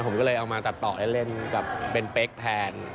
ผมก็เลยเอามาตัดต่อเล่นกับเป็นเป๊กแทน